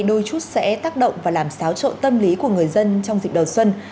đôi chút sẽ tác động và làm xáo trộn tâm lý của người dân trong dịp đầu xuân